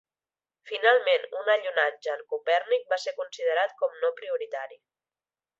Finalment, un allunatge en Copèrnic va ser considerat com no prioritari.